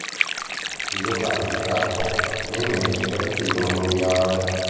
Risultati di Karpov nei match per il titolo mondiale